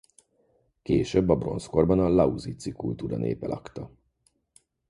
Később a bronzkorban a lausitzi kultúra népe lakta.